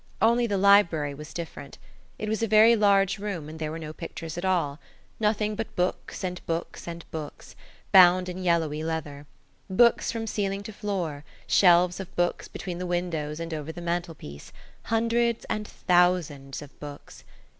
Only the library was different. It was a very large room, and there were no pictures at all. Nothing but books and books and books, bound in yellowy leather. Books from ceiling to floor, shelves of books between the windows and over the mantelpiece–hundreds and thousands of books.